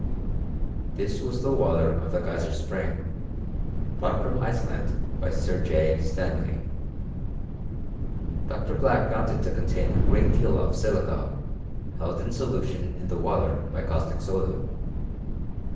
TUl was the water of the Geyser spring, brought from Ice land by Sir J. Stanley. Dr. Black found it to con tain a great deal of silica, held in solution in the water by caustic soda.